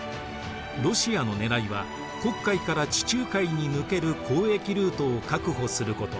ロシアのねらいは黒海から地中海に抜ける交易ルートを確保すること。